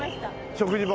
食事も？